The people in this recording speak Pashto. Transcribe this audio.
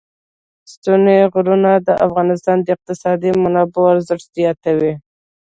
ستوني غرونه د افغانستان د اقتصادي منابعو ارزښت زیاتوي.